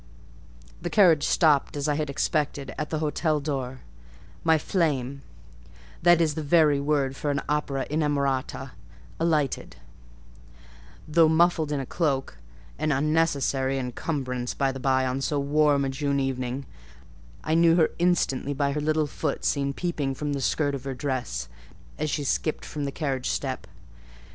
The carriage stopped, as I had expected, at the hotel door; my flame (that is the very word for an opera inamorata) alighted: though muffed in a cloak—an unnecessary encumbrance, by the bye, on so warm a June evening—I knew her instantly by her little foot, seen peeping from the skirt of her dress, as she skipped from the carriage step.